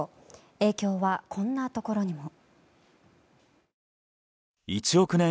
影響はこんなところにも。